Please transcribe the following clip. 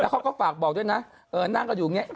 แล้วเขาก็ปากบอกด้วยนะ